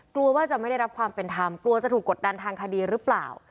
กลัวว่าจะไม่ได้รับความเป็นธรรมกลัวจะถูกกดดันทางคดีหรือเปล่า